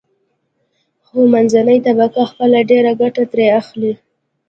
خو منځنۍ طبقه خپله ډېره ګټه ترې اخلي.